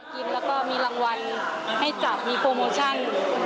กินแล้วก็มีรางวัลให้จับมีโปรโมชั่น